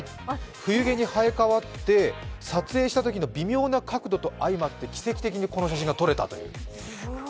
冬毛に生えかわって、撮影したときの微妙な角度と相まって奇跡的にこの写真が撮れたという。